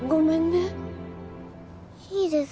いいです。